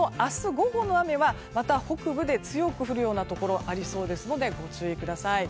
午後の雨は北部で強く降るようなところがありそうですのでご注意ください。